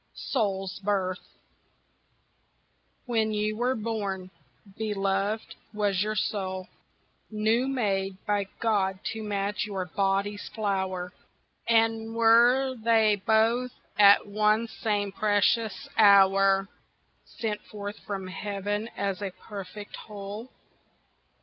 Soul's Birth When you were born, beloved, was your soul New made by God to match your body's flower, And were they both at one same precious hour Sent forth from heaven as a perfect whole?